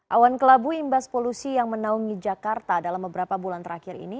awan kelabu imbas polusi yang menaungi jakarta dalam beberapa bulan terakhir ini